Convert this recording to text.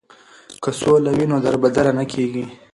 که سوله وي نو دربدره نه کیږي.